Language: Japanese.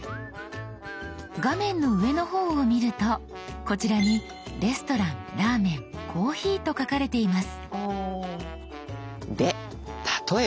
画面の上の方を見るとこちらに「レストラン」「ラーメン」「コーヒー」と書かれています。